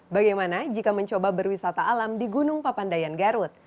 bagaimana jika mencoba berwisata alam di gunung papandayan garut